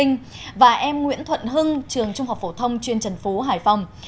nguyễn thuận hưng trường trung học phổ thông truyền trần phú hải phòng